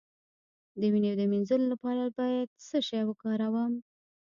د وینې د مینځلو لپاره باید څه شی وکاروم؟